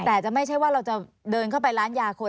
แต่จะไม่ใช่ว่าเราจะเดินเข้าไปร้านยาคน